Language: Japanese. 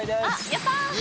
やった。